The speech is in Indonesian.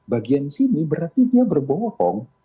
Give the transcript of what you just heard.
bagian sini berarti dia berbohong